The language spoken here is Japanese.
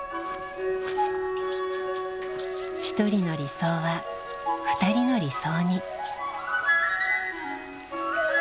一人の理想は二人の理想に。